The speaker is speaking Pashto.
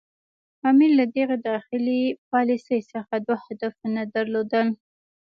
امیر له دغې داخلي پالیسي څخه دوه هدفونه درلودل.